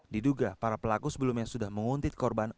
diduga para pelaku sebelumnya sudah menguntit korban